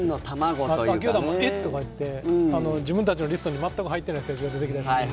他球団も、えっ？とか言って自分たちのリストに全く入ってない選手が出てきたりもするので。